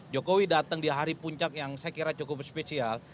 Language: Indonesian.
jokowi datang di hari puncak yang saya kira cukup spesial